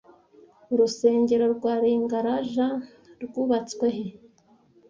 Urusengero rwa Lingaraja rwubatswe he